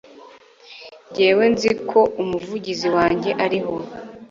jyewe nzi ko umuvugizi wanjye ariho